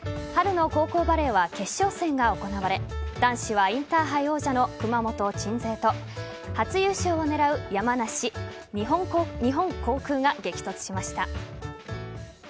春の高校バレーは決勝戦が行われ男子はインターハイ王者の熊本・鎮西と初優勝を狙う山梨・日本航空が激突しました。